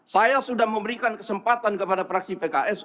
saya sudah memberikan kesempatan kepada praksi pks